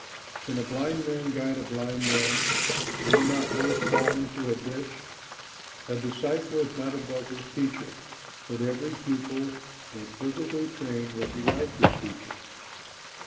"Can a blind man guide a blind man? Will not both fall into a ditch? A disciple is not above his teacher; but every pupil when perfectly trained will be like his teacher.